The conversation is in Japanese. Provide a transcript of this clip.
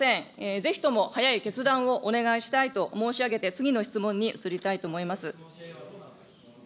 ぜひとも早い決断をお願いしたいと申し上げて、次の質問に移りたいと思います。